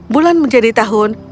bulan menjadi tahun